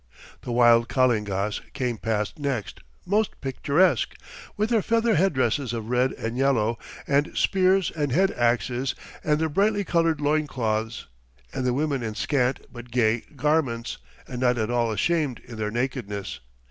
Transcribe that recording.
The wild Kalingas came past next, most picturesque, with their feather headdresses of red and yellow, and spears and head axes, and their brightly coloured loin cloths, and the women in scant but gay garments, and not at all ashamed in their nakedness.